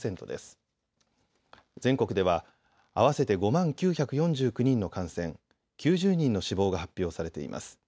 全国では合わせて５万９４９人の感染、９０人の死亡が発表されています。